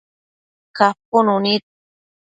capunu nid